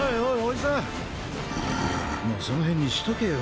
もうその辺にしとけよ。